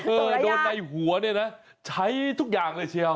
โดนในหัวเนี่ยนะใช้ทุกอย่างเลยเชียว